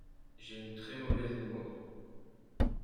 J'ai une très mauvaise mémoire.